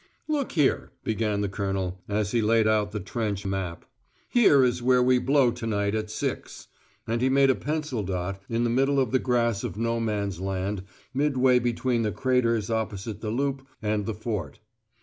"Look here," began the Colonel, as he laid out the trench map on the table. "Here is where we blow to night at 6.0" (and he made a pencil dot in the middle of the grass of No Man's Land midway between the craters opposite the Loop and the Fort.